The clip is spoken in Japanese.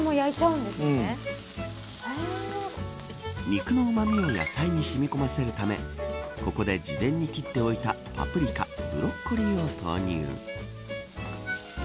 肉のうまみを野菜にしみ込ませるためここで事前に切っておいたパプリカ、ブロッコリーを投入。